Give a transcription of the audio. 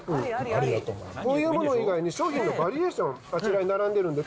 こういうもの以外に商品のバリエーション並んでるんです。